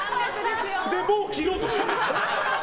で、もう切ろうとしてる。